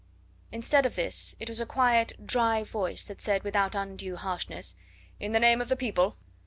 Instead of this, it was a quiet, dry voice that said without undue harshness: "In the name of the people!"